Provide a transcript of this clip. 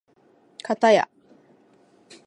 かたや